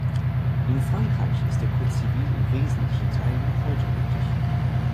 In Frankreich ist der Code civil in wesentlichen Teilen noch heute gültig.